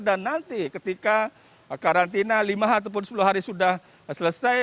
dan nanti ketika karantina lima ataupun sepuluh hari sudah selesai